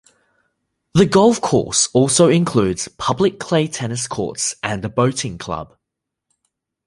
The golf course also includes public clay tennis courts and a boating club.